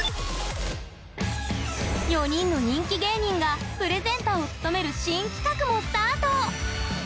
４人の人気芸人がプレゼンターを務める新企画もスタート。